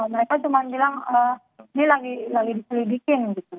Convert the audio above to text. mereka cuma bilang ini lagi diselidiki